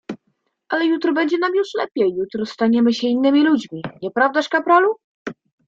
"Ale jutro będzie nam już lepiej; jutro staniemy się innymi ludźmi, nieprawdaż kapralu?"